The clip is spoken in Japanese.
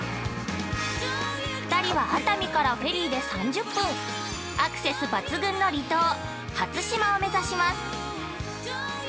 ２人は熱海からフェリーで３０分アクセス抜群の離島初島を目指します。